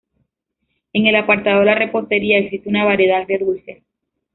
En el apartado de la repostería existe una variedad de dulces.